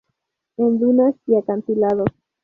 En dunas y acantilados.